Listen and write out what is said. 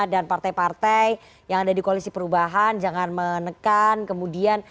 dan partai partai yang ada di koalisi perubahan jangan menekan kemudian